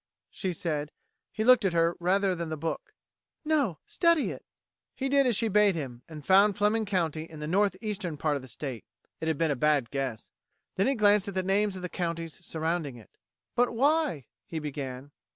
she said. He looked at her, rather than the book. "No study it." He did as she bade him and found Fleming County in the north eastern part of the state. It had been a bad guess. Then he glanced at the names of the counties surrounding it. "But why...." he began.